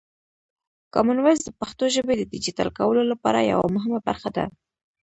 کامن وایس د پښتو ژبې د ډیجیټل کولو لپاره یوه مهمه برخه ده.